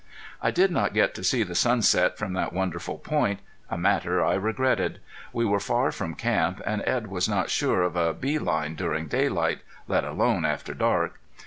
I did not get to see the sunset from that wonderful point, a matter I regretted. We were far from camp, and Edd was not sure of a bee line during daylight, let alone after dark.